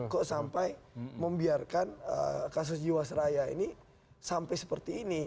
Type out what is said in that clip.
kok sampai membiarkan kasus jiwasraya ini sampai seperti ini